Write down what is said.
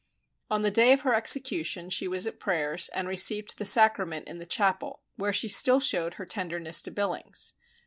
On the day of her execution she was at prayers, and received the Sacrament in the chapel, where she still showed her tenderness to Billings.